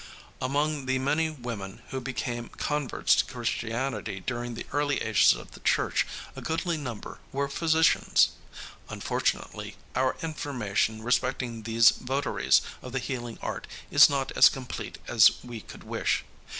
Among the many women who became converts to Christianity during the early ages of the church a goodly number were physicians. Unfortunately, our information respecting these votaries of the healing art is not as complete as we could wish.